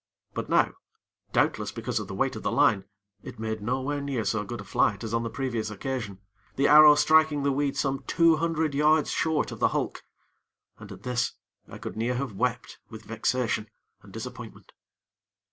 But now, doubtless because of the weight of the line, it made nowhere near so good a flight as on the previous occasion, the arrow striking the weed some two hundred yards short of the hulk, and at this, I could near have wept with vexation and disappointment.